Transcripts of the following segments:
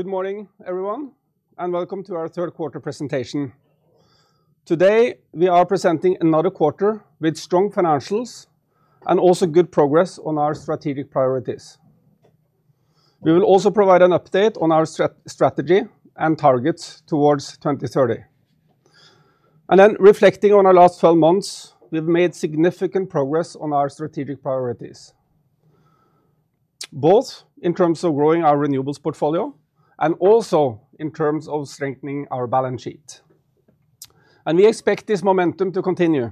Good morning everyone and welcome to our third quarter presentation. Today we are presenting another quarter with strong financials and also good progress on our strategic priorities. We will also provide an update on our strategy and targets towards 2030. Reflecting on our last 12 months, we have made significant progress on our strategic priorities. Both in terms of growing our renewables portfolio and also in terms of strengthening our balance sheet. We expect this momentum to continue.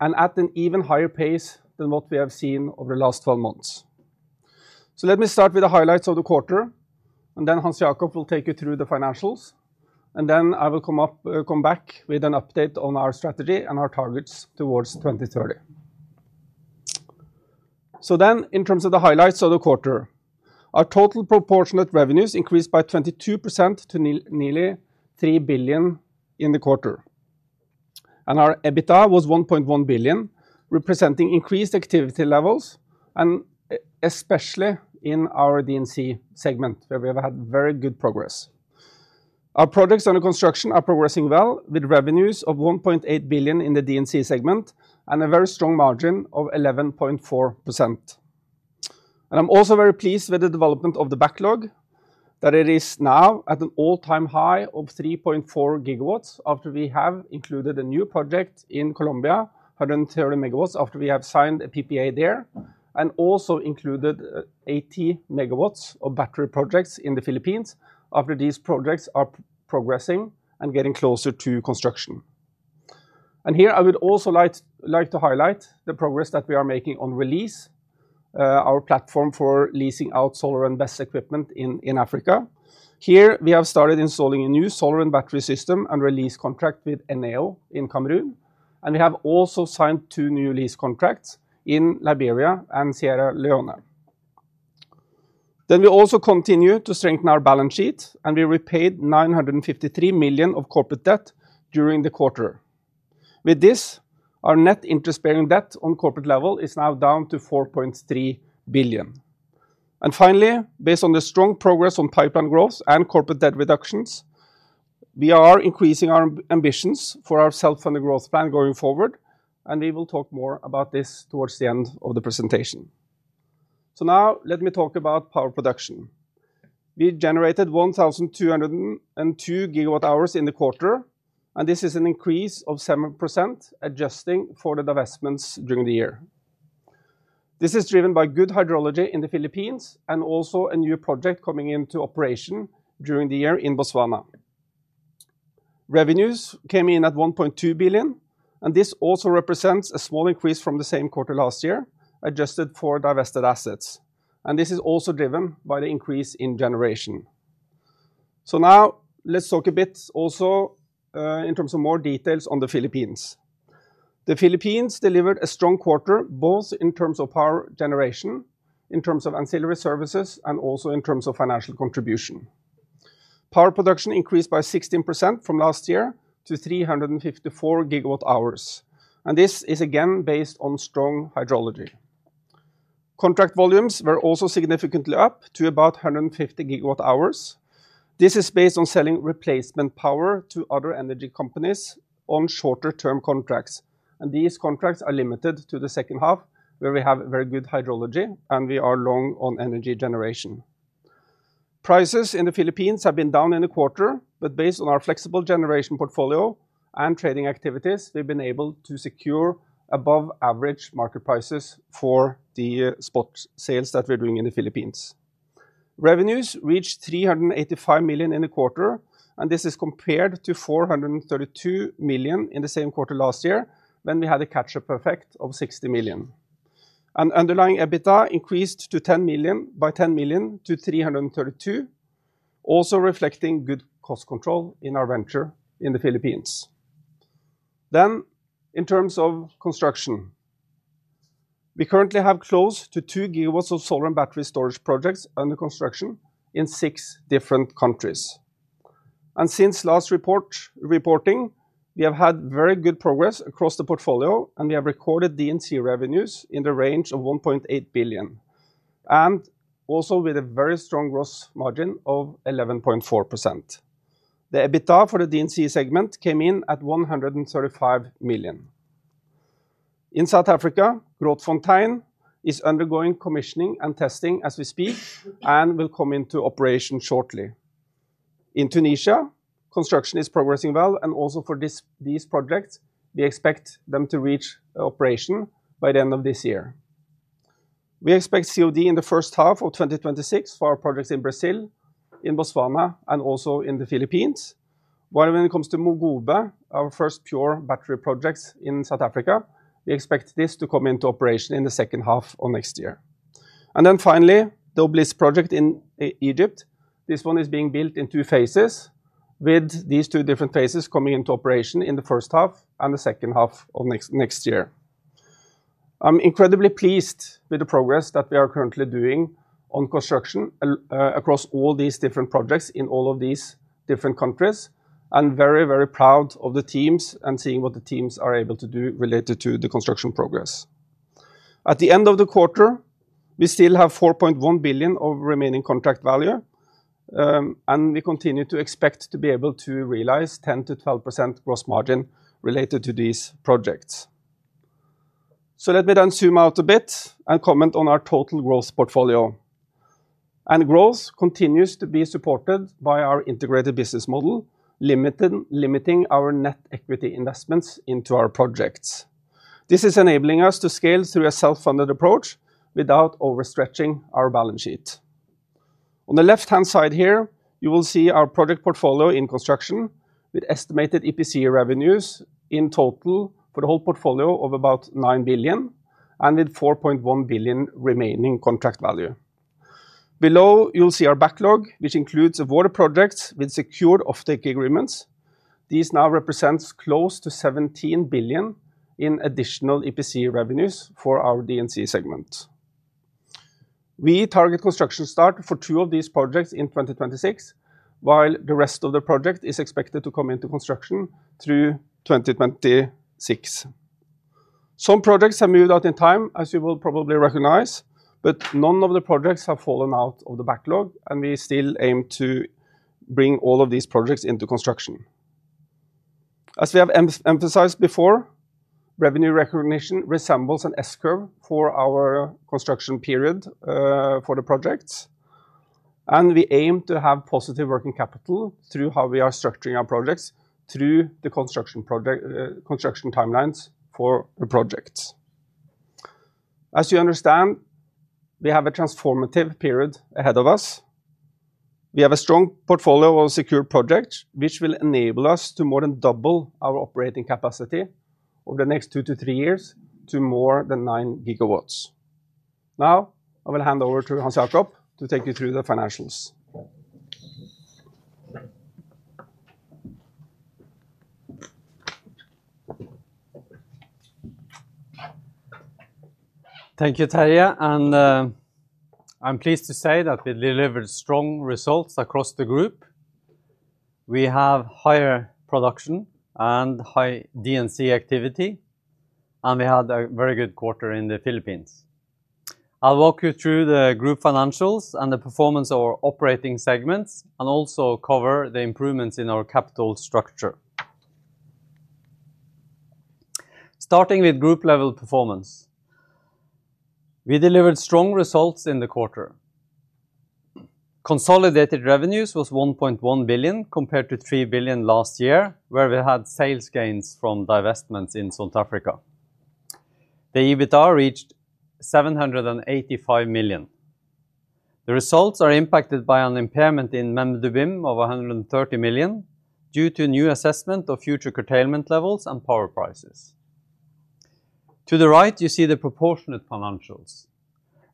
At an even higher pace than what we have seen over the last 12 months. Let me start with the highlights of the quarter and then Hans Jakob will take you through the financials. I will come back with an update on our strategy and our targets towards 2030. In terms of the highlights of the quarter, our total proportionate revenues increased by 22% to nearly 3 billion in the quarter. Our EBITDA was 1.1 billion, representing increased activity levels especially in our DNC segment, where we have had very good progress. Our projects under construction are progressing well, with revenues of 1.8 billion in the DNC segment and a very strong margin of 11.4%. I'm also very pleased with the development of the backlog that it is now at an all-time high of 3.4 GW, after we have included a new project in Colombia, 130 megawatts after we have signed a PPA there, and also included 80 megawatts of battery projects in the Philippines after these projects are progressing and getting closer to construction. Here I would also like to highlight the progress that we are making on Release, our platform for leasing out solar and battery equipment in Africa. Here we have started installing a new solar and battery system and Release contract with ENEO in Cameroon, and we have also signed two new lease contracts in Liberia and Sierra Leone. We also continue to strengthen our balance sheet, and we repaid 953 million of corporate debt during the quarter. With this, our net interest bearing debt on corporate level is now down to 4.3 billion. Finally, based on the strong progress on pipeline growth and corporate debt reductions, we are increasing our ambitions for our self-funded growth plan going forward. We will talk more about this toward the end of the presentation. Let me talk about power production. We generated 1,202 GWh in the quarter, and this is an increase of 7% adjusting for the divestments during the year. This is driven by good hydrology in the Philippines and also a new project coming into operation during the year in Botswana. Revenues came in at 1.2 billion. This also represents a small increase from the same quarter last year, adjusted for divested assets. This is also driven by the increase in generation. Let's talk a bit. Also, in terms of more details on the Philippines, the Philippines delivered a strong quarter both in terms of power generation, in terms of ancillary services, and also in terms of financial contribution. Power Production increased by 16% from last year to 354 GWh. This is again based on strong hydrology. Contract volumes were also significantly up to about 150 GWh. This is based on selling replacement power to other energy companies on shorter term contracts. These contracts are limited to the second half, where we have very good hydrology and we are long on energy generation. Prices in the Philippines have been down in the quarter, but based on our flexible generation portfolio and trading activities, we've been able to secure above average market prices for the spot sales that we're doing in the Philippines. Revenues reached 385 million in the quarter, and this is compared to 432 million in the same quarter last year, when we had a catch up effect of $60 million. Underlying EBITDA increased by $10 million to $332 million, also reflecting good cost control in our venture in the Philippines. In terms of construction, we currently have close to 2 GW of solar battery storage projects are under construction in six different countries. Since last reporting, we have had very good progress across the portfolio. We have recorded DNC revenues in the range of 1.8 billion and also with a very strong gross margin of 11.4%. The EBITDA for the DNC segment came in at 135 million. In South Africa, Groblersfontein is undergoing commissioning and testing as we speak and will come into operation shortly. In Tunisia, construction is progressing well. Also, for these projects, we expect them to reach operation by the end of this year. We expect COD in the first half of 2026 for our projects in Brazil, in Botswana, and also in the Philippines. When it comes to Mocuba, our first pure battery projects in South Africa, we expect this to come into operation in the second half of next year. Finally, the Obelisk project in Egypt, this one is being built in two phases, with these two different phases coming into operation in the first half and the second half of next year. I'm incredibly pleased with the progress that we are currently doing on construction across all these different projects in all of these different countries and very, very proud of the teams and seeing what the teams are able to do related to the construction progress. At the end of the quarter, we still have 4.1 billion of remaining contract value, and we continue to expect to be able to realize 10%-12% gross margin related to these projects. Let me then zoom out a bit and comment on our total growth portfolio. Growth continues to be supported by our integrated business model, limiting our net equity investments into our projects. This is enabling us to scale through a self-funded approach without overstretching our balance sheet. On the left hand side here, you will see our project portfolio in construction with estimated EPC revenues in total for the whole portfolio of about 9 billion, and with 4.1 billion remaining contract value. Below you'll see our backlog, which includes the water projects with secured offtake agreements. These now represent close to 17 billion in additional EPC revenues for our DNC segment. We target construction start for two of these projects in 2026, while the rest of the project is expected to come into construction through 2026. Some projects have moved out in time, as you will probably recognize, but none of the projects have fallen out the backlog, and we still aim to bring all of these projects into construction. As we have emphasized before, revenue recognition resembles an S curve for our construction period for the projects, and we aim to have positive working capital through how we are structuring our projects through the construction timelines for the projects. As you understand, we have a transformative period ahead of us. We have a strong portfolio of secure projects, which will enable us to do more than double our operating capacity over the next two to three years to more than 9 GW. Now I will hand over to Hans Jakob to take you through the financials. Thank you, Terje, and I'm pleased to say that we delivered strong results across the group. We have higher production and high DNC activity, and we had a very good quarter in the Philippines. I'll walk you through the group financials and the performance of our operating segments and also cover the improvements in our capital structure, starting with group level performance. We delivered strong results in the quarter. Consolidated revenues was 1.1 billion compared to 3 billion last year, which where we had sales gains from divestments in South Africa. Africa, the EBITDA reached 785 million. The results are impacted by an impairment in Mendubim of 130 million due to new assessment of future curtailment levels and power prices. To the right you see the proportionate financials.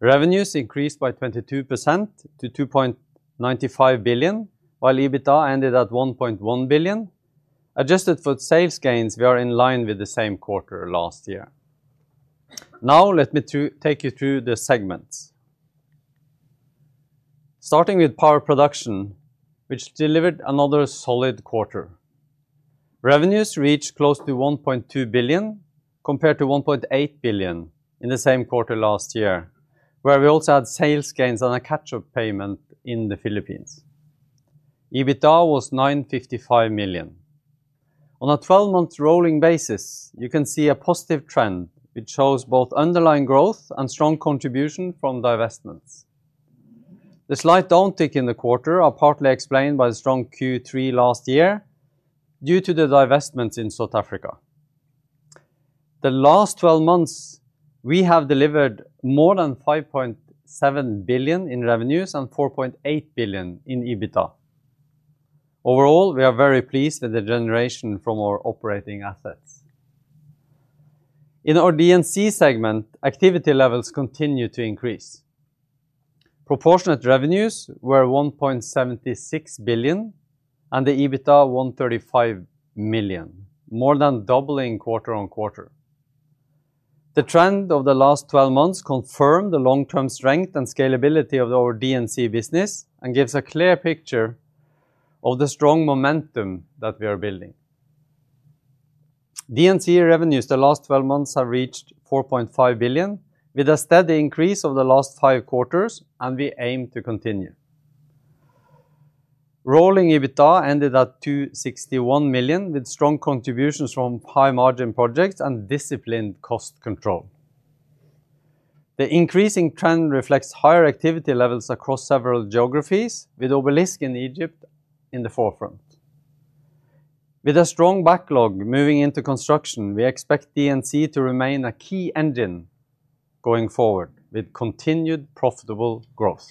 Revenues increased by 22% to 2.295 billion, while EBITDA ended at 1.1 billion. Adjusted fuel sales gains were in line with the same quarter last year. Now let me take you through the segments. Starting with power production, which delivered another solid quarter. Revenues reached close to 1.2 billion compared to 1.8 billion in the same quarter last year, where we also had sales gains and a catch-up payment. In the Philippines, EBITDA was 955 million. On a 12-month rolling basis, you can see a positive trend, which shows both underlying growth and strong contribution from divestments. The slight downtick in the quarter is partly explained by the strong Q3 last year due to the divestments in South Africa. The last 12 months, we have delivered more than 5.7 billion in revenues and 4.8 billion in EBITDA. Overall, we are very pleased with the generation from our operating assets. In our DNC segment, activity levels continue to increase. Proportionate revenues were 1.76 billion, and the EBITDA 135 million, more than doubling quarter on quarter. The trend of the last 12 months confirmed the long-term strength and scalability of our DNC business and gives a clear picture of the strong momentum that we are building. DNC revenues the last 12 months have reached 4.5 billion, with a steady increase over the last five quarters, and we aim to continue rolling. EBITDA ended at 261 million with strong contributions from high-margin projects and disciplined cost control. The increasing trend reflects higher activity levels across several geographies, with Obelisk in Egypt in the forefront. With a strong backlog moving into construction, we expect DNC to remain a key engine going forward with continued profitable growth.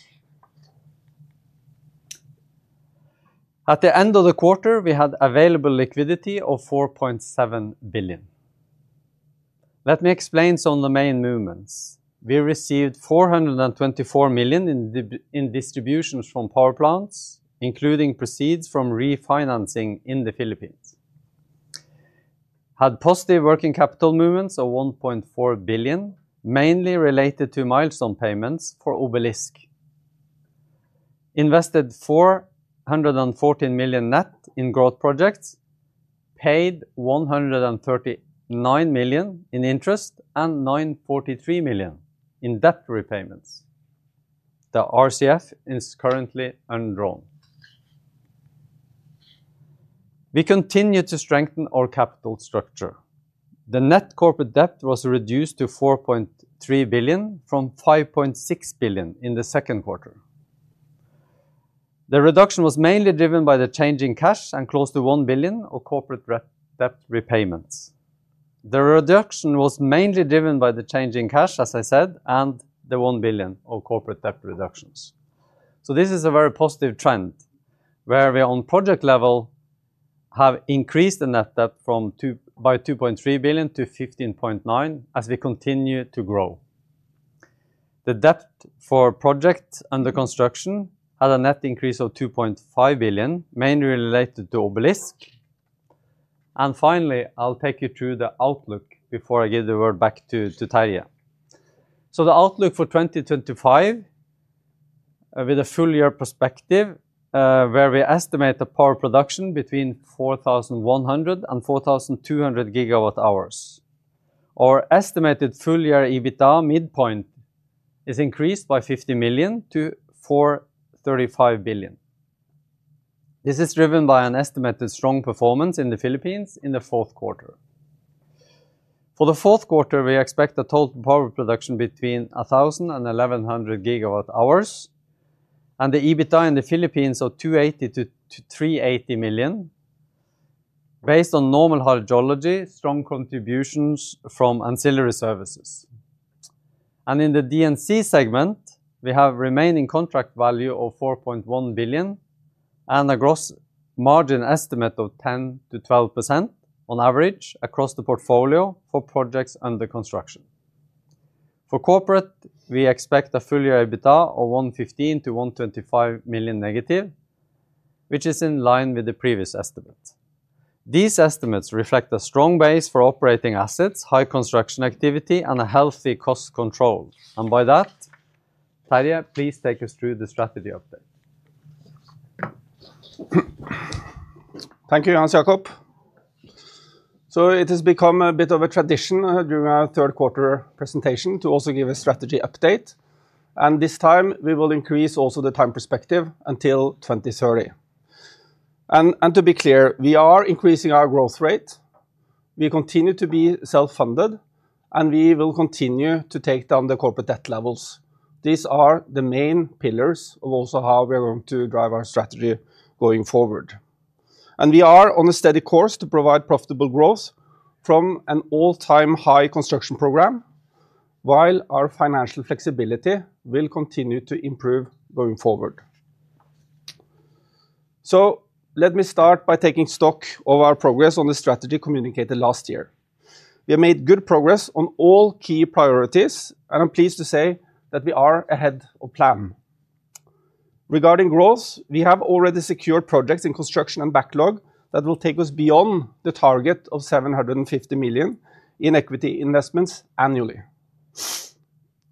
At the end of the quarter, we had available liquidity of 4.7 billion. Let me explain some of the main movements. We received 424 million in distributions from power plants, including proceeds from refinancing in the Philippines, had positive working capital movements of 1.4 billion, mainly related to milestone payments for Obelisk, invested 414 million net in growth projects, paid 139 million in interest, and 943 million in debt repayments. The RCF is currently undrawn. We continue to strengthen our capital structure. The net corporate debt was reduced to 4.3 billion from 5.6 billion in the second quarter. The reduction was mainly driven by the change in cash and close to 1 billion of corporate debt repayments. The reduction was mainly driven by the change in cash, as I said, and the $1 billion of corporate debt reductions. This is a very positive trend where we are on project level, have increased the net debt by 2.3 billion to 15.9 billion. As we continue to grow, the debt for projects under construction had a net increase of 2.5 billion, mainly related to Obelisk. Finally, I'll take you through the outlook before I give the word back to Terje. The outlook for 2025, with a full year perspective, is where we estimate the power production between 4,100 and 4,200 GWh. Our estimated full year EBITDA midpoint is increased by 50 million to 435 million. This is driven by an estimated strong performance in the Philippines in the fourth quarter. For the fourth quarter, we expect a total power production between 1,000 and 1,100 GWh and the EBITDA in the Philippines of 280 to 380 million based on normal hydrology, strong contributions from ancillary services, and in the DNC segment we have remaining contract value of 4.1 billion and a gross margin estimate of 10% to 12% on average across the portfolio for projects under construction. For corporate, we expect a full year EBITDA of 115 to 125 million negative, which is in line with the previous estimate. These estimates reflect a strong base for operating assets, high construction activity, and a healthy cost control. By that, Terje, please take us through the strategy update. Thank you, Hans Jakob. It has become a bit of a tradition during our third quarter presentation to also give a strategy update. This time we will increase also the time perspective until 2030. To be clear, we are increasing our growth rate. We continue to be self-funded, and we will continue to take down the corporate debt levels. These are the main pillars of also how we are going to drive our strategy going forward. We are on a steady course to provide profitable growth from an all-time high construction program while our financial flexibility will continue to improve going forward. Let me start by taking stock of our progress on the strategy communicated last year. We have made good progress on all key priorities, and I'm pleased to say that we are ahead of plan regarding growth. We have already secured projects in construction and backlog that will take us beyond the target of 750 million in equity investments annually.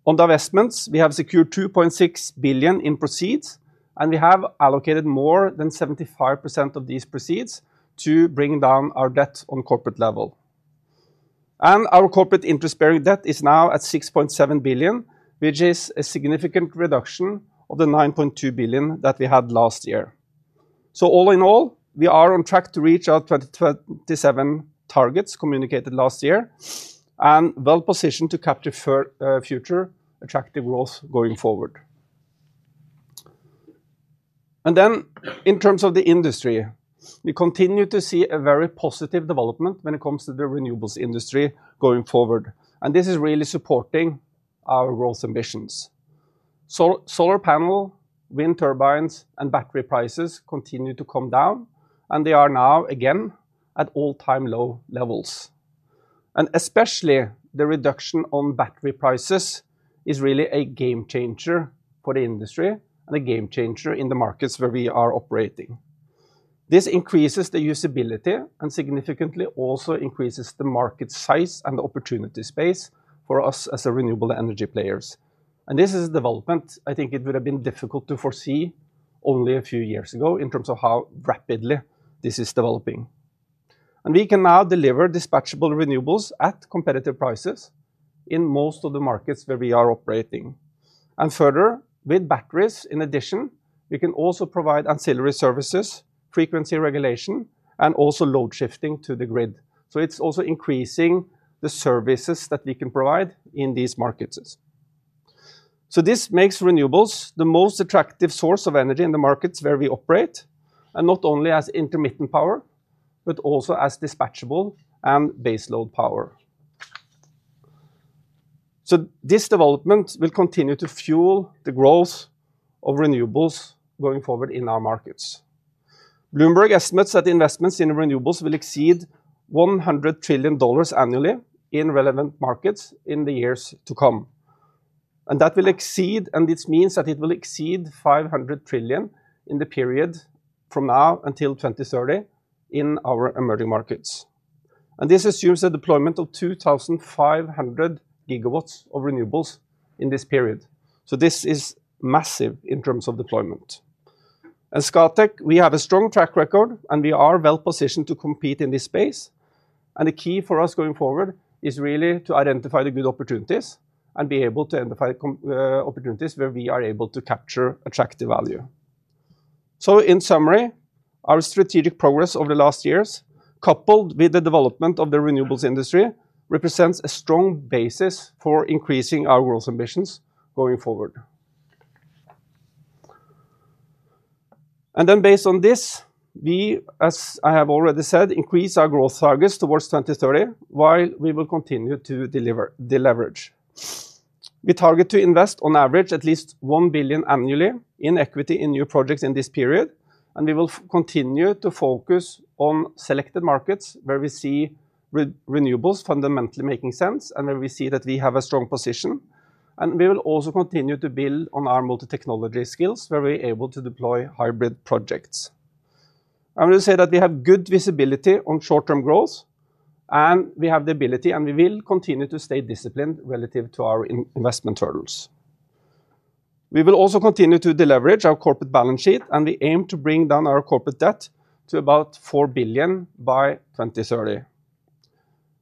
On divestments, we have secured 2.6 billion in proceeds, we have allocated more than 75% of these proceeds to bring down our debt on corporate level. Our corporate interest bearing debt is now at 6.7 billion, which is a significant reduction from the 9.2 billion that we had last year. All in all, we are on track to reach our 2027 targets communicated last year and well positioned to capture future attractive growth going forward. In terms of the industry, we continue to see a very positive development when it comes to the renewables industry going forward. This is really supporting our growth ambitions. Solar panel, wind turbines, and battery prices continue to come down, and they are now again at all-time low levels. Especially the reduction on battery prices is really a game changer for the industry and a game changer in the markets where we are operating. This increases the usability and significantly also increases the market size and opportunity space for us as renewable energy players. This is a development I think it would have been difficult to foresee only a few years ago in terms of how rapidly this is developing. We can now deliver dispatchable renewables at competitive prices in most of the markets where we are operating. Further with batteries in addition, we can also provide ancillary services, frequency regulation, and also load shifting to the grid. It's also increasing the services that we can provide in these markets. This makes renewables the most attractive source of energy in the markets where we operate, and not only as intermittent power, but also as dispatchable and baseload power. This development will continue to fuel the growth of renewables going forward in our markets. Bloomberg estimates that investments in renewables will exceed $100 trillion annually in relevant markets in the years to come. This will exceed, and this means that it will exceed $500 trillion in the period from now until 2030 in our emerging markets. This assumes a deployment of 2,500 GW of renewables in this period. This is massive in terms of deployment. At Scatec, we have a strong track record and we are well positioned to compete in this space. The key for us going forward is really to identify the good opportunities and be able to identify opportunities where we are able to capture attractive value. In summary, our strategic progress over the last years, coupled with the development of the renewables industry, represents a strong basis for increasing our growth ambitions going forward. Based on this, we, as I have already said, increase our growth targets towards 2030 while we will continue to deliver deleverage. We target to invest on average at least 1 billion annually in equity in new projects in this period. We will continue to focus on selected markets where we see renewables fundamentally making sense, and where we see that we have a strong position. We will also continue to build on our multi-technology skills, where we are able to deploy hybrid projects. I will say that we have good visibility on short term growth, we have the ability, and we will continue to stay disciplined relative to our investment hurdles. We will also continue to deleverage our corporate balance sheet, and we aim to bring down our corporate debt to about 4 billion by 2030.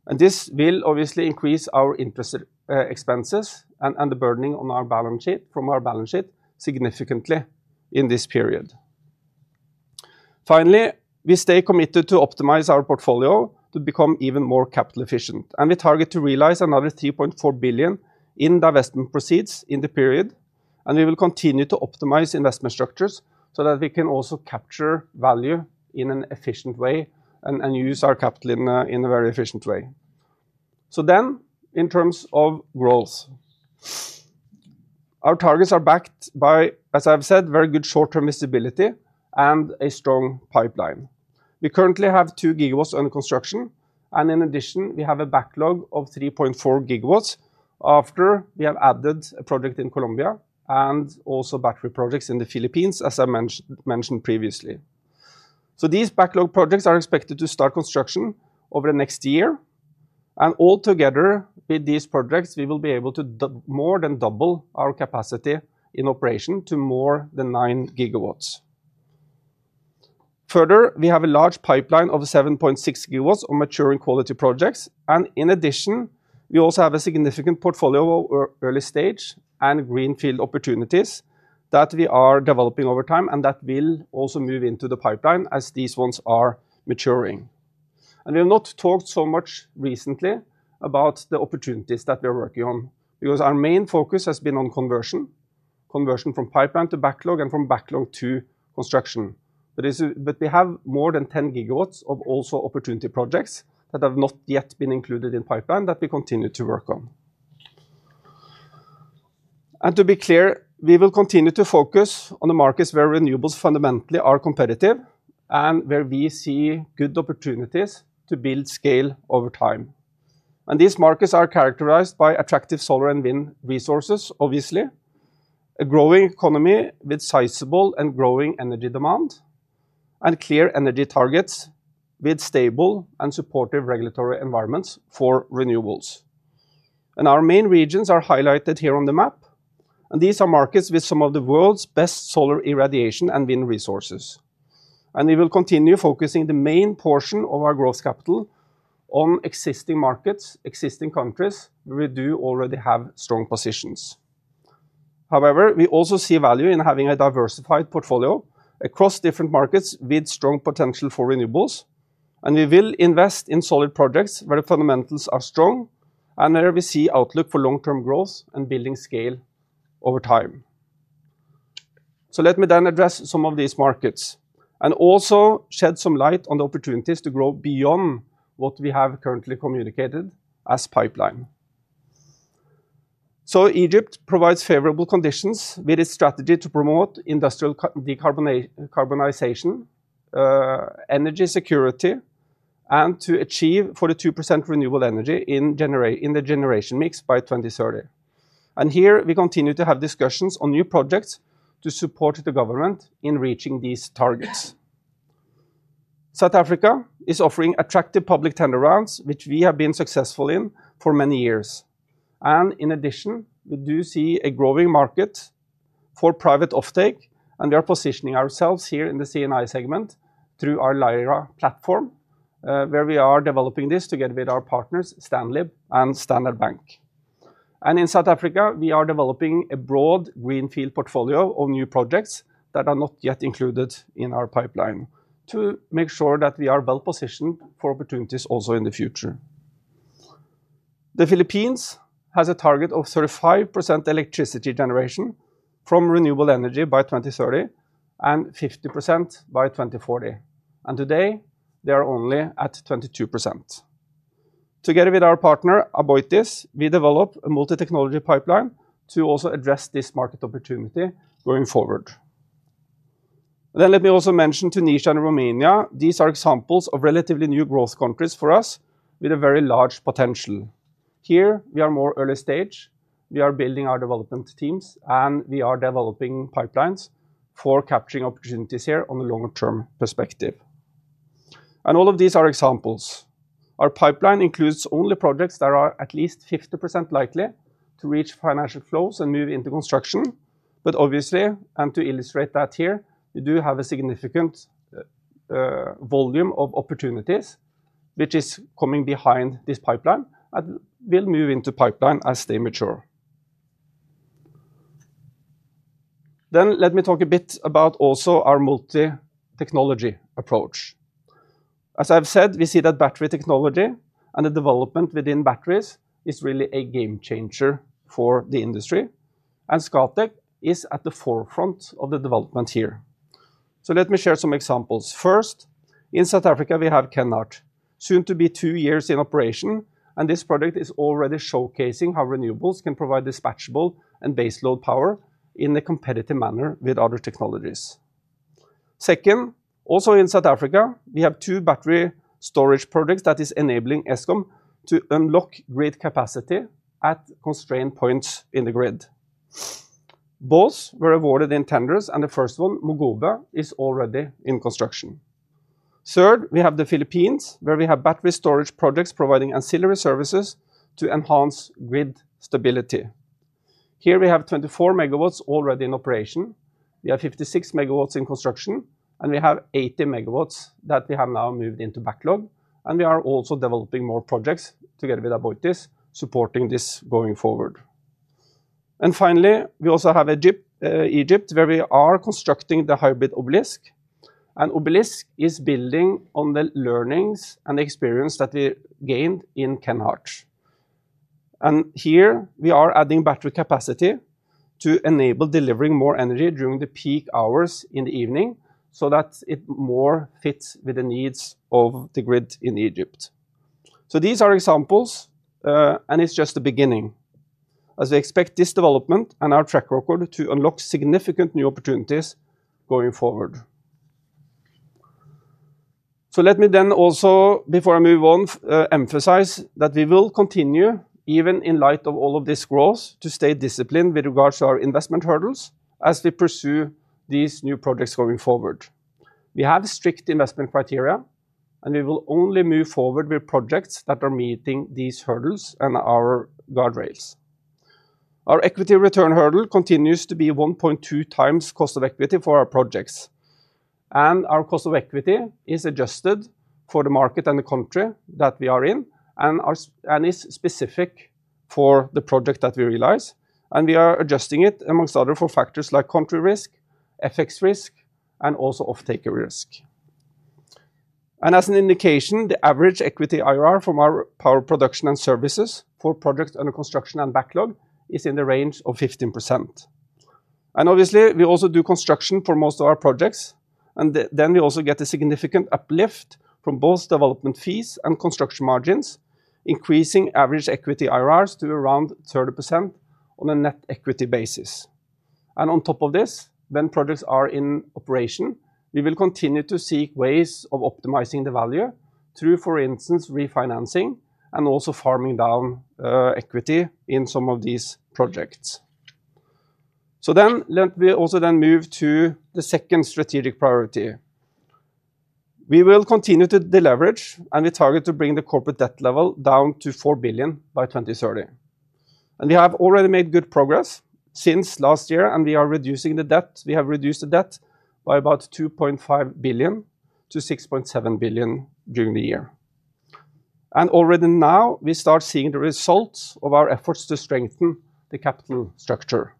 And this will obviously increase our interest expenses and the burdening from our balance sheet significantly in this period. Finally, we stay committed to optimize our portfolio to become even more capital efficient. We target to realize another 3.4 billion in divestment proceeds in the period, and we will continue to optimize investment structures so that we can also capture value in an efficient way and use our capital in a very efficient way. In terms of growth, our targets are backed by, as I've said very good short-term visibility and a strong pipeline. We currently have 2 GW under construction. In addition, we have a backlog of 3.4 GW after we have added a project in Colombia and also battery projects in the Philippines, as I mentioned previously. These backlog projects are expected to start construction over the next year. Together with these projects, we will be able to more than double our capacity in operation to more than 9 GW. Further, we have a large pipeline of 7.6 GW of maturing quality projects. In addition, we also have a significant portfolio of early stage and greenfield opportunities that we are developing over time and that will also move into the pipeline as these ones are maturing. We have not talked so much recently about the opportunities that we are working on because our main focus has been on conversion, conversion from pipeline to backlog and from backlog to construction. We have more than 10 GW of also opportunity projects that have not yet been included in pipeline that we continue to work on. To be clear, we will continue to focus on the markets where renewables fundamentally are competitive and where we see good opportunities to build scale over time. These markets are characterized by attractive solar and wind resources, obviously a growing economy with sizable and growing energy demand. Clear energy targets with stable and supportive regulatory environments for renewables. Our main regions are highlighted here on the map. These are markets with some of the world's best solar irradiation and wind resources. We will continue focusing the main portion of our growth capital on existing markets, existing countries we do already have strong positions. However, we also see value in having a diversified portfolio across different markets with strong potential for renewables. We will invest in solid projects where the fundamentals are strong and where we see outlook for long-term growth and building scale over time. Let me then address some of these markets and also shed some light on the opportunities to grow beyond what we have currently communicated as pipeline. Egypt provides favorable conditions with its strategy to promote industrial decarbonization, energy security and to achieve 42% renewable energy in the generation mix by 2030. We continue to have discussions on new projects to support the government in reaching these targets. South Africa is offering attractive public turnarounds which we have been successful in for many years. In addition, we do see a growing market for private offtake. We are positioning ourselves here in the C&I segment through our Lyra platform where we are developing this together with our partners STANLIB and Standard Bank. In South Africa we are developing a broad greenfield portfolio of new projects that are not yet included in our pipeline to make sure that we are well-positioned for opportunities also in the future. The Philippines has a target of 35% electricity generation from renewable energy by 2030 and 50% by 2040. Today they are only at 22%. Together with our partner Aboitiz, we develop a multi-technology pipeline to also address this market opportunity going forward. Let me also mention Tunisia and Romania. These are examples of relatively new growth countries for us with a very large potential. Here we are more early stage. We are building our development teams, and we are developing pipelines for capturing opportunities here on a long-term perspective. These are examples. Our pipeline includes only projects that are at least 50% likely to reach financial flows and move into construction. Obviously, to illustrate that here you do have a significant volume of opportunities which are coming behind this pipeline will move into the pipeline as they mature. Let me talk a bit about also our multi-technology approach. As I've said, we see that battery technology and the development within batteries is really a game changer for the industry. Scatec is at the forefront of the development here. Let me share some examples. First, in South Africa we have Kenhardt, soon to be two years in operation. This project is already showcasing how renewables can provide dispatchable and baseload power in a competitive manner with other technologies. Second, also in South Africa, we have two battery storage projects that is enabling Eskom to unlock grid capacity at constrained points in the grid. Both were awarded in tenders and the first one, Mocuba, is already in construction. Third, we have the Philippines where we have battery energy storage systems providing ancillary services to enhance grid stability. Here we have 24 MW already in operation, 56 MW in construction, and 80 MW that we have now moved into backlog. We are also developing more projects together with Aboitis, supporting this going forward. Finally, we also have Egypt, where we are constructing the hybrid Obelisk. Obelisk is building on the learnings and experience that we gained in Kenhardt. We are adding battery capacity to enable delivering more energy during the peak hours in the evening so that it more fits with the needs of the grid in Egypt. These are examples, and it's just the beginning as we expect this development and our track record to unlock significant new opportunities going forward. Let me then also, before I move on, emphasize that we will continue, even in light of all of this growth, to stay disciplined with regards to our investment hurdles as we pursue these new projects going forward. We have strict investment criteria, and we will only move forward with projects that are meeting these hurdles and our guardrails. Our equity return hurdle continues to be 1.2x cost of equity for our projects. Our cost of equity is adjusted for the market and the country that we are in and is specific for the project that we realize. We are adjusting it, amongst other factors, for things like country risk, FX risk and also off-taker risk. As an indication, the average equity IRR from our power production and services for projects under construction and backlog, it is in the range of 15%. We also do construction for most of our projects, and we also get a significant uplift from both development fees and construction margins, increasing average equity IRRs to around 30% on a net equity basis. On top of this, when projects are in operation, we will continue to seek ways of optimizing the value through, for instance, refinancing and also farming down equity in some of these projects. Let me also then move to the second strategic priority. We will continue to deleverage, and we target to bring the corporate debt level down to 4 billion by 2030. We have already made good progress since last year, and we are reducing the debt. We have reduced the debt by about 2.5 billion to 6.7 billion during the year. Already now we start seeing the results of our efforts to strengthen the capital structure.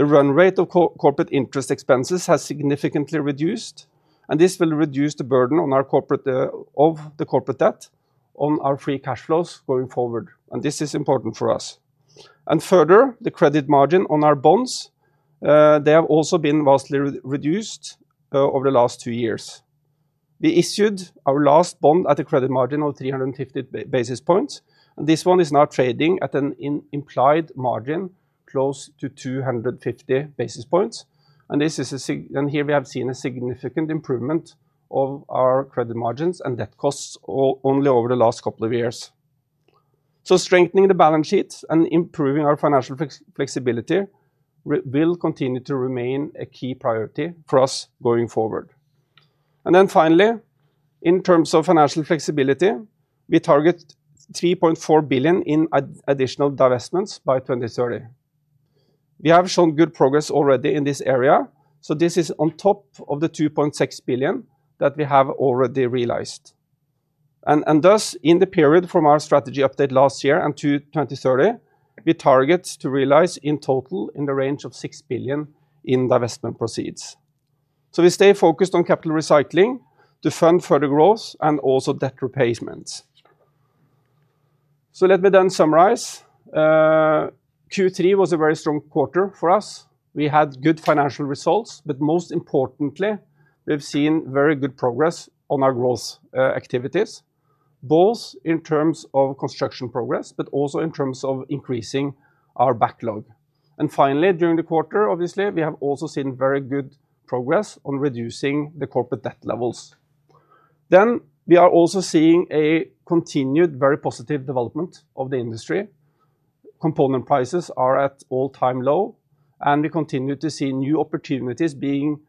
The run rate of corporate interest expenses has significantly reduced, and this will reduce the burden of the corporate debt on our free cash flows going forward. This is important for us. Furthermore, the credit margin on our bonds has also been vastly reduced over the last two years. We issued our last bond at a credit margin of 350 basis points. This one is now trading at an implied margin close to 250 basis points. We have seen a significant improvement of our credit margins and debt costs only over the last couple of years. Strengthening the balance sheet and improving our financial flexibility will continue to remain a key priority for us going forward. Finally, in terms of financial flexibility, we target 3.4 billion in additional divestments by 2030. We have shown good progress already in this area. This is on top of the 2.6 billion that we have already realized. Thus, in the period from our strategy update last year to 2030, we target to realize in total in the range of 6 billion in divestment proceeds. We stay focused on capital recycling to fund further growth and also debt replacements. Let me then summarize Q3 was a very strong quarter for us. We had good financial results. Most importantly, we've seen very good progress on our growth activities, both in terms of construction progress and in terms of increasing our backlog. Finally, during the quarter, obviously we have also seen very good progress on reducing the corporate debt levels. We are also seeing a continued very positive development of the industry. Component prices are at all-time low, and we continue to see new opportunities being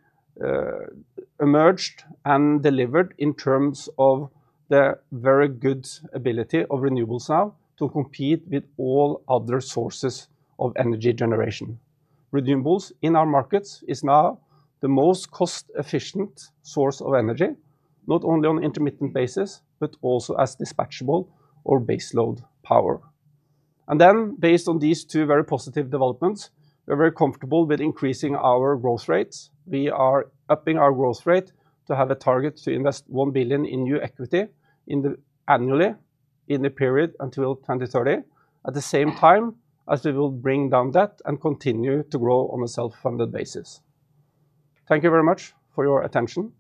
emerged and delivered in terms of the very good ability of renewables now to compete with all other sources of energy generation. Renewables in our markets is now the most cost efficient source of energy, not only on intermittent basis, but also as dispatchable or baseload power. Based on these two very positive developments, we're very comfortable with increasing our growth rates. We are upping our growth rate to have a target to invest 1 billion in new equity annually in the period until 2030. At the same time, we will bring down debt and continue to grow on a self-funded basis. Thank you very much for your attention.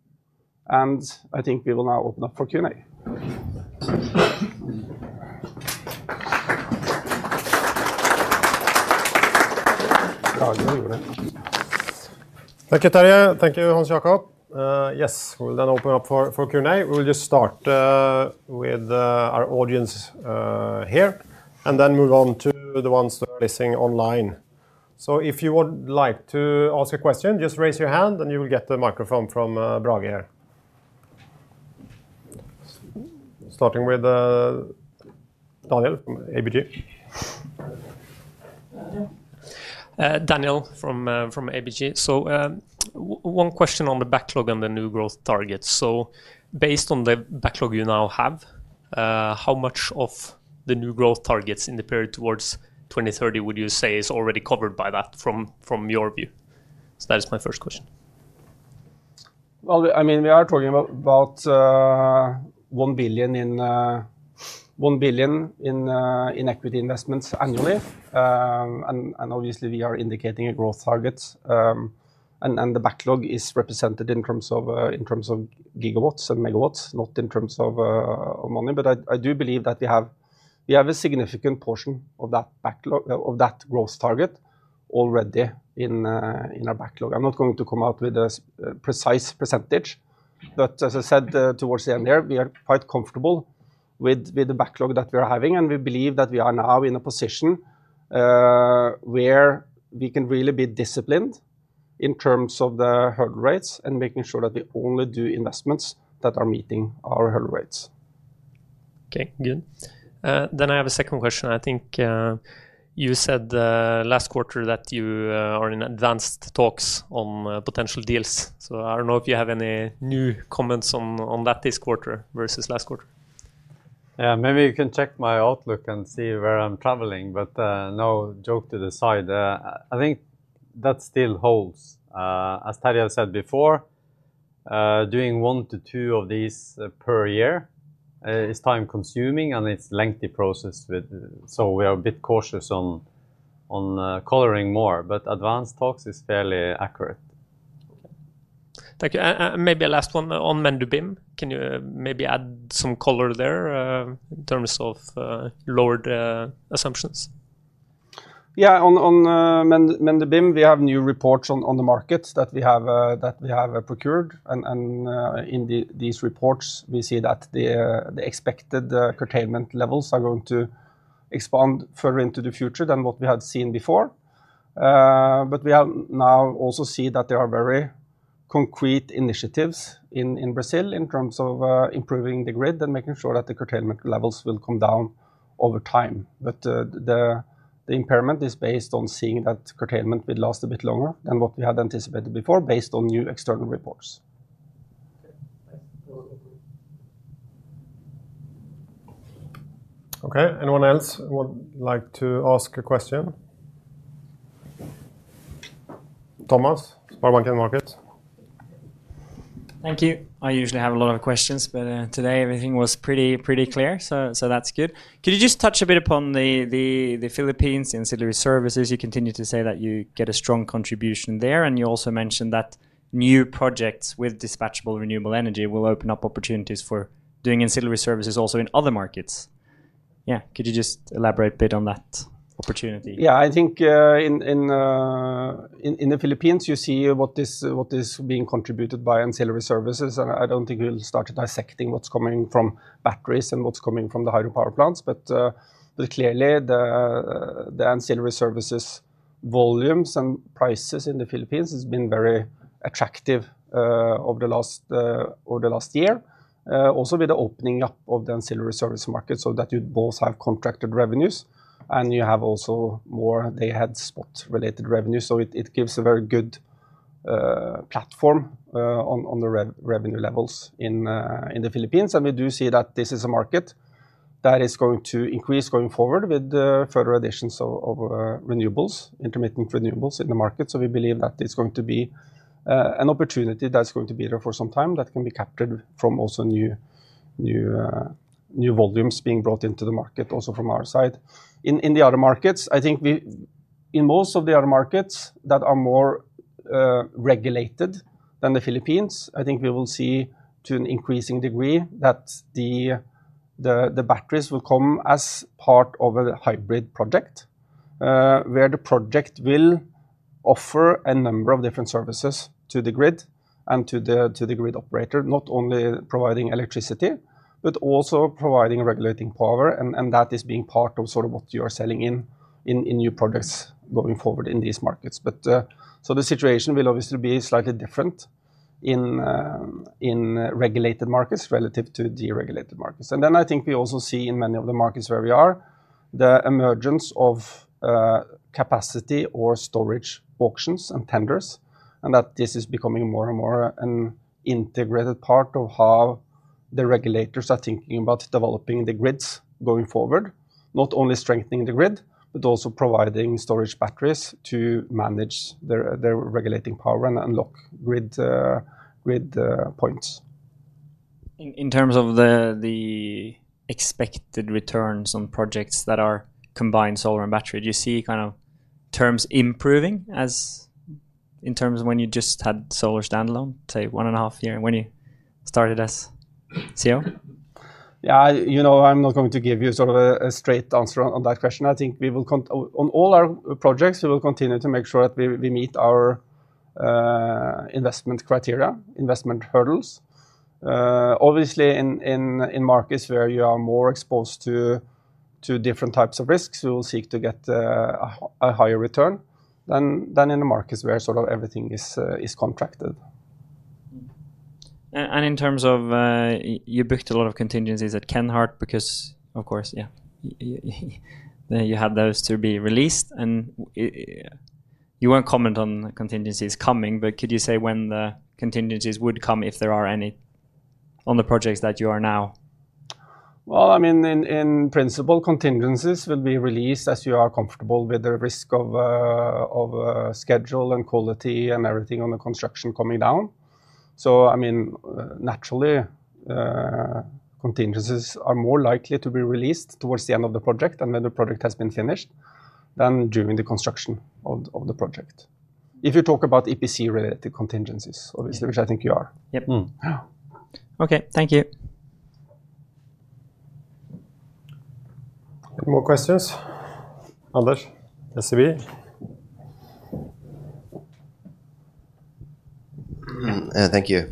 I think we will now open up for Q&A. Thank you, Terja. Thank you, Hans Jakob. Yes, we'll then open up for Q&A. We'll just start with our audience here and then move on to the ones that are listening online. If you would like to ask a question, just raise your hand and you will get the microphone from Bragi, starting with Daniel from ABG. Daniel from ABG. One question on the backlog and the new growth target. Based on the backlog you now have, how much of the new growth targets in the period towards 2030 would you say is already covered by that from your view? That is my first question. I mean we are talking about 1 billion in, $1 billion in equity investments annually. Obviously, we are indicating a growth target and the backlog is represented in terms of gigawatts and megawatts, not in terms of money. I do believe that you have, we have a significant portion of that growth target already in our backlog. I'm not going to come out with a precise percentage, but as I said towards the end there, we are quite comfortable with the backlog that we are having and we believe that we are now in a position where we can really be disciplined in terms of the hurdle rates and making sure that we only do investments that are meeting our hurdle rates. Okay, good. I have a second question. I think you said last quarter that you are in advanced talks on potential deals. I don't know if you have any new comments on that this quarter versus last quarter. Yeah, maybe you can check my outlook and see where I'm traveling. No joke to the side, I think that still holds. As Terje said before, doing one to two of these per year is time consuming, and it's a lengthy process. We are a bit cautious on coloring more, but advanced talks is fairly accurate. Thank you. Maybe a last one on Mendubim. Can you maybe add some color there in terms of load assumptions? Yeah. On Mendubim, we have new reports on the market that we have procured. In these reports, we see that the expected curtailment levels are going to expand further into the future than what we had seen before. We now also see that there are very concrete initiatives in Brazil in terms of improving the grid and making sure that the curtailment levels will come down over time. The impairment is based on seeing that curtailment will last a bit longer than what we had anticipated before based on new external reports. Okay. Anyone else would like to ask a question? Thomas, SpareBank Markets. Thank you. I usually have a lot of questions, but today everything was pretty, pretty clear. That's good. Could you just touch a bit upon the Philippines ancillary services? You continue to say that you get a strong contribution there. You also mentioned that new projects with dispatchable renewable energy will open up opportunities for doing ancillary services also in other markets. Could you just elaborate a bit on that opportunity? Yeah. I think in the Philippines, you see what is being contributed by ancillary services. I don't think we'll start dissecting what's coming from batteries and what's coming from the hydro power plants, but clearly the ancillary services volumes and prices in the Philippines have been very attractive over the last year, also with the opening up of the ancillary service market so that you both have contracted revenues and you have also more. They had spot related revenues. It gives a very good platform on the revenue levels in the Philippines. We do see that this is a market that is going to increase going forward with the further additions of renewables, intermittent renewables in the market. We believe that it's going to be an opportunity that's going to be there for some time that can be captured from also new volumes being brought into the market, also from our side. In the other markets, I think in most of the other markets that are more regulated than the Philippines, I think we will see to an increasing degree that the batteries will come as part of a hybrid project, where the project will offer a number of different services to the grid and to the grid operator, not only providing electricity but also providing regulating power. That is being part of what you are selling in new products going forward in these markets. The situation will obviously be slightly different in regulated markets relative to deregulated markets. I think we also see in many of the markets where we are the emergence of capacity or storage auctions and tenders. This is becoming more and more an integrated part of how the regulators are thinking about developing the grids going forward. Not only strengthening the grid, but also providing storage batteries to manage their regulating power and unlock grid points. In terms of the expected returns on projects that are combined solar and battery, do you see kind of terms improving as in terms of when you just had solar standalone, say one and a half years when you started as CEO? Yeah. I'm not going to give you sort of want a straight answer on that question. I think we will on all our projects, we will continue to make sure that we meet our investment criteria, investment hurdles. Obviously, in markets where you are more exposed to different types of risks, you will seek to get a higher return than in the markets where everything is contracted. In terms of you booked a lot of contingencies at Kenhardt because, of course, you had those to be released and you won't comment on contingencies coming. Could you say when the contingencies would come, if there are any on the projects that you are now? In principle, contingencies will be released as you are comfortable with the risk of schedule and quality and everything on the construction coming down. Naturally, contingencies are more likely to be released towards the end of the project and when the project has been finished than during the construction of the project. If you talk about EPC related contingencies, obviously, which I think you are. Yep, okay. Thank you. More questions, Anders, SBA. Thank you.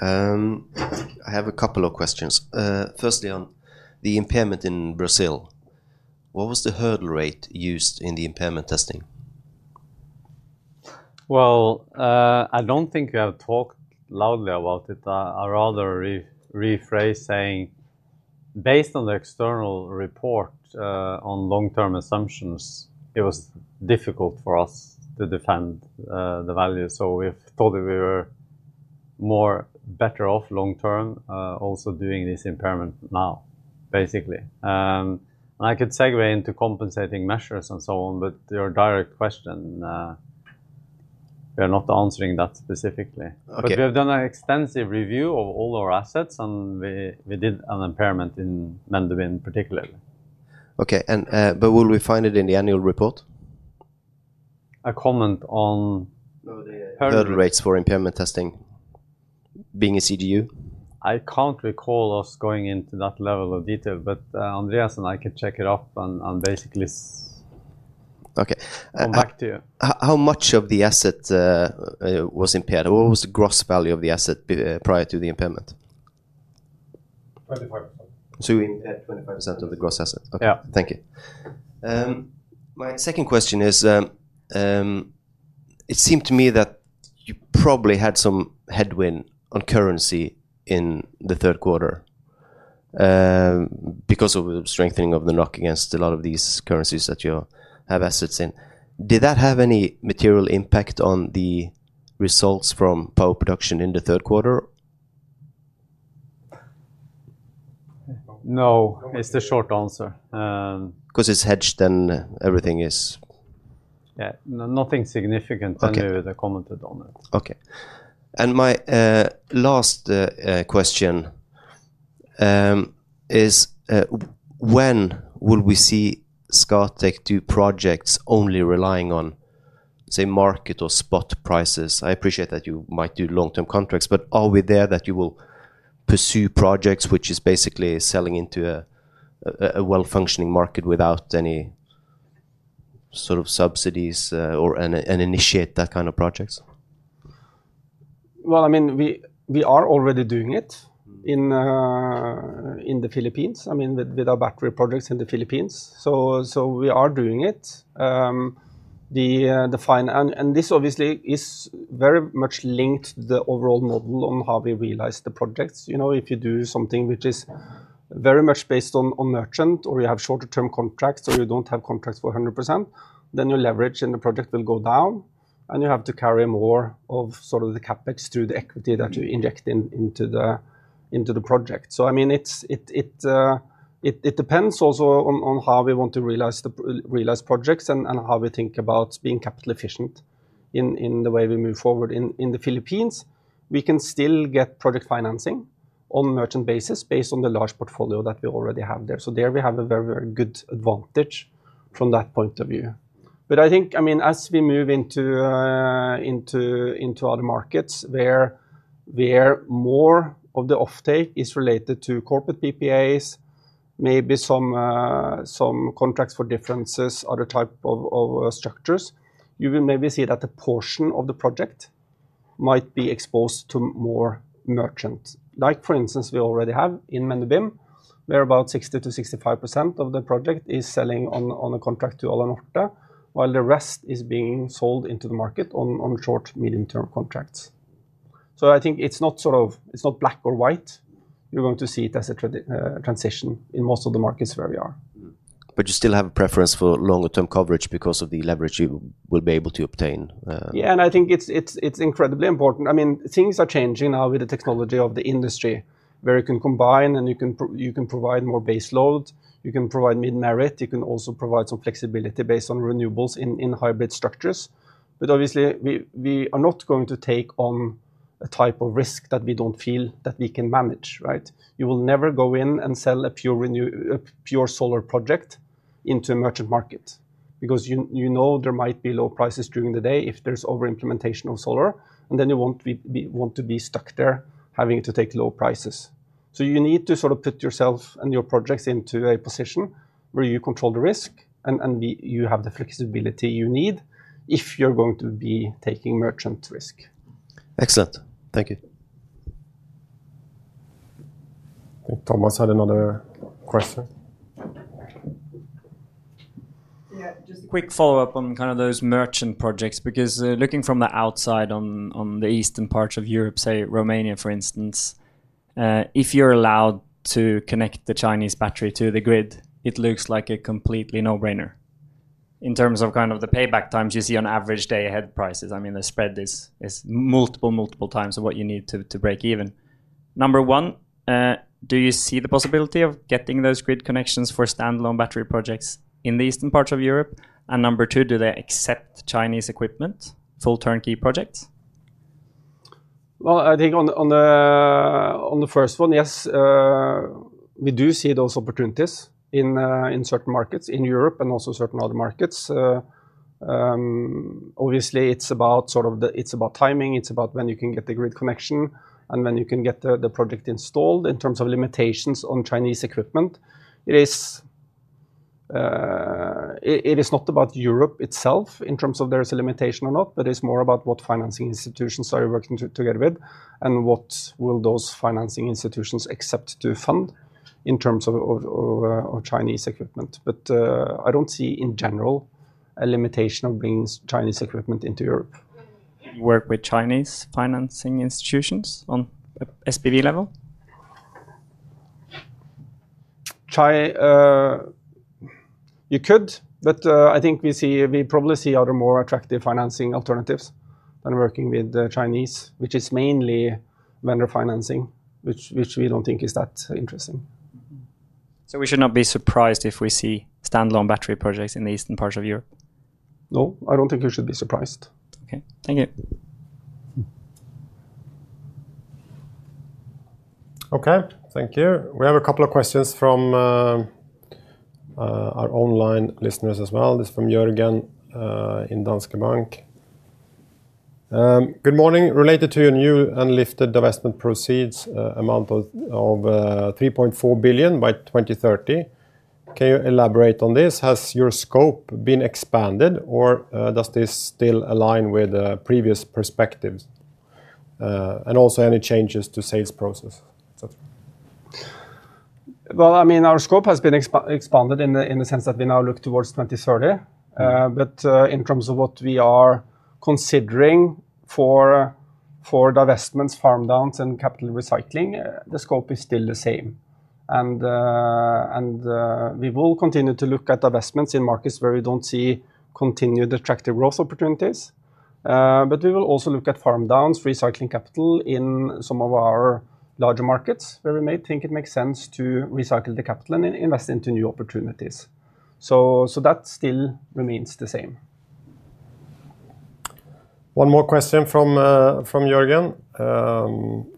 I have a couple of questions. Firstly, on the impairment in Brazil, what was the hurdle rate used in the impairment testing? I don't think you have talked loudly about it. I rather rephrase saying based on the external report on long term assumptions, it was difficult for us to defend the value. We thought that we were more better off long term also doing this impairment now, basically. I could segue into compensating measures and so on. Your direct question, we are not answering that specifically, but we have done an extensive review of all our assets and we did an impairment in Mendubim particularly. Okay, will we find it in the annual report. A comment on. Hurdle rates for impairment testing being a CFO. I can't recall us going into that level of detail, but Andreas and I can check it up and basically come back to you. Okay. How much of the asset was impaired? What was the gross value of the asset prior to the impairment? 25%. You mean at 25% of the gross asset. Thank you. My second question is it seemed to me that you probably had some headwind on currency in the third quarter because of the strengthening of the NOK against a lot of these currencies that you have assets in. Did that have any material impact on the results from power production in the third quarter? No, it's the short answer because it's. Hedged and everything is. Yeah, nothing significant. Anyway, they commented on it. Okay. My last question is, when will we see Scatec do projects only relying on, say, market or spot prices? I appreciate that you might do long term contracts, but are we there that you will pursue projects which is basically selling into a well functioning market without any sort of subsidies, or initiate that kind of projects? I mean we are already doing it in the Philippines, with our battery projects in the Philippines. We are doing it. And this it is very much linked to the overall model on how we realize the projects. If you do something which is very much based on merchant, or you have shorter term contracts, or you don't have contracts for 100%, then your leverage in the project will go down. You have to carry more of the CapEx through the equity that you inject into the project. It depends also on how we want to realize projects and how we think about being capital efficient in the way we move forward. In the Philippines, we can still get project financing on a merchant basis based on the large portfolio that we already have there. We have a very, very good advantage from that point of view. I think as we move into other markets where more of the offtake is related to corporate PPAs, maybe some contracts for differences, other type of structures, you will maybe see that a portion of the project might be exposed to more merchants. Like for instance, we already have in Mendubim where about 60%-65% of the project is selling on a contract to Ala Novdta, while the rest is being sold into the market on short medium term contracts. I think it's not sort of. It's not black or white. You're going to see it as a transition in most of the markets where we are. You still have a preference for longer term coverage because of the leverage you will be able to obtain. Yeah, I think it's incredibly important. Things are changing now with the technology of the industry where you can combine, and you can provide more base load, you can provide mid merit, you can also provide some flexibility based on renewables in hybrid structures. Obviously, we are not going to take on a type of risk that we don't feel that we can manage. You will never go in and sell a pure solar project into a merchant market because you know there might be low prices during the day if there's over implementation of solar, and then you want to be stuck there having to take low prices. You need to sort of put yourself and your projects into a position where you control the risk, and you have the flexibility you need if you're going to be taking merchant risk. Excellent, thank you. Thomas had another question. Yeah, just a quick follow-up on kind of those merchant projects because looking from the outside on the eastern parts of Europe, say Romania for instance, if you're allowed to connect the Chinese battery to the grid, it looks like a completely no-brainer in terms of kind of the payback times you see on average day-ahead prices. I mean the spread is multiple, multiple times of what you need to break even. Number one, do you see the possibility of getting those grid connections for standalone battery projects in the eastern parts of Europe? Number two, do they accept Chinese equipment, full turnkey project? I think on the first one, yes, we do see those opportunities in certain markets in Europe and also certain other markets. Obviously, it's about timing. It's about when you can get the grid connection and when you can get the project installed. In terms of limitations on Chinese equipment, it is not about Europe itself in terms of there is a limitation or not, but it's more about what financing institutions are you working together with and what will those financing institutions accept to fund in terms of Chinese equipment. I don't see in general a limitation of bringing Chinese equipment into Europe. You work with Chinese financing institutions on SPV level. You could, but I think we probably see other more attractive financing alternatives than working with the Chinese, which is mainly vendor financing, which we don't think is that interesting. We should not be surprised if we see standalone battery projects in the eastern part of Europe. No, I don't think you should be surprised. Okay, thank you. Okay, thank you. We have a couple of questions from our online listeners as well. This is from Jürgen in Danske Bank. Good morning. Related to your new and lifted divestment proceeds, amount of 3.4 billion by 2030. Can you elaborate on this? Has your scope been expanded or does this still align with previous perspectives, and also any changes to sales process, etc. I mean our scope has been expanded in the sense that we now look towards 2030, but in terms of what we are considering for divestments, farm downs, and capital recycling, the scope is still the same. We will continue to look at investments in markets where we don't see continued attractive growth opportunities. We will also look at farm downs, recycling capital in some of our larger markets where we may think it makes sense to recycle the capital and invest into new opportunities. That still remains the same. One more question from Jürgen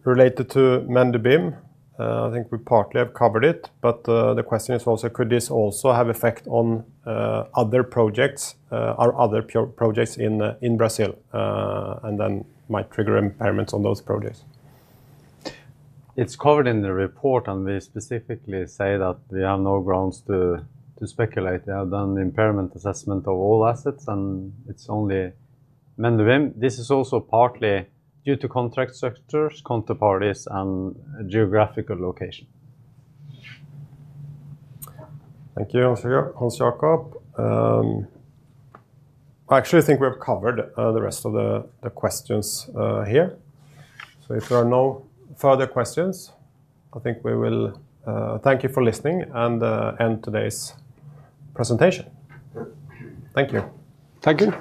related to Mendubim. I think we partly have covered it, but the question is also could this also have effect on other projects, our other projects in Brazil, and then might trigger impairments on those projects? It's covered in the report, and we specifically say that we have no grounds to speculate. We have done the impairment assessment of all assets, and it's only Mendubim. This is also partly due to contract structures, counterparties, and geographical location. Thank you, Hans Jakob. I actually think we have covered the rest of the questions here. If there are no further questions, I think we will thank you for listening and end today's presentation. Thank you. Thank you.